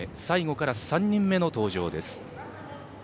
最後から３人目の登場です。